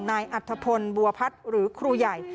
อัธพลบัวพัฒน์หรือครูใหญ่